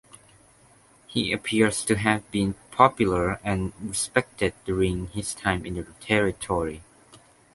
He appears to have been popular and respected during his time in the territory.